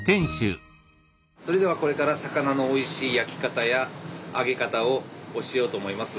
それではこれから魚のおいしい焼き方や揚げ方を教えようと思います。